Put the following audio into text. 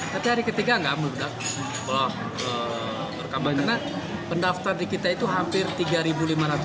tapi hari ketiga nggak mudah karena pendaftar di kita itu hampir rp tiga lima ratus